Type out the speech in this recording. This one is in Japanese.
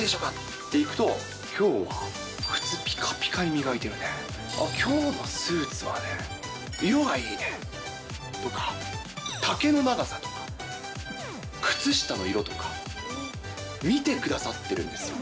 って行くと、きょうは靴ぴかぴかに磨いてるね、あっ、きょうのスーツはね、色がいいねとか、丈の長さとか、靴下の色とか、見てくださってるんですよ。